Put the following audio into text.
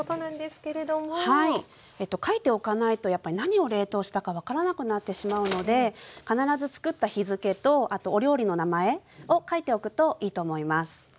書いておかないとやっぱ何を冷凍したか分からなくなってしまうので必ずつくった日付とあとお料理の名前を書いておくといいと思います。